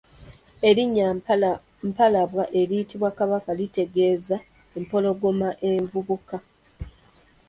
Erinnya Mpalabwa eriyitibwa Kabaka litegeeza "empologoma envubuka".